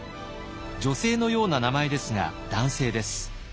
女性のような名前ですが男性です。